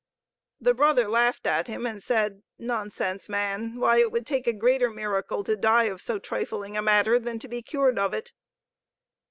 The brother laughed at him, and said: "Nonsense, man! Why, it would take a greater miracle to die of so trifling a matter than to be cured of it."